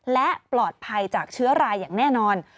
และปลอดภัยจากเชื้อรายอย่างแน่นอน